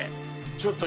ちょっと